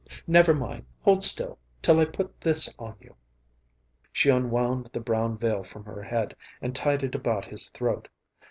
Never mind. Hold still, till I put this on you." She unwound the brown veil from her head and tied it about his throat.